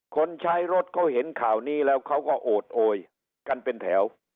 คนใช้รถเขาเห็นข่าวนี้แล้วเขาก็โอดโอยกันเป็นแถว